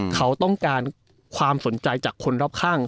เขาต้องการความสนใจจากคนรอบข้าง